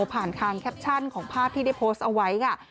ผ่านทางแคปชั่นของภาพที่ได้โพสต์เอาไว้ค่ะ